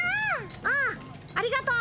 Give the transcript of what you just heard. うんありがとう。